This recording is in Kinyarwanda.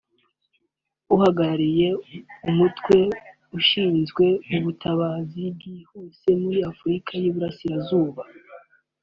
uhagarariye umutwe ushinzwe ubutabazi bwihuse muri Afurika y’Iburasirazuba